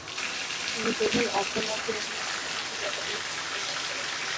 তিনি প্রথম আফ্রো-মার্কিন অভিনয়শিল্পী হিসেবে একাডেমি পুরস্কার লাভ করেন।